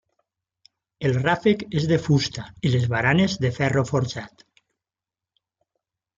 El ràfec és de fusta i les baranes de ferro forjat.